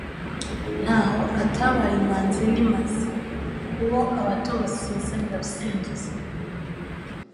Ntaho atabaye imanzi n' imazi. Uwo abato basizanira gusingiza,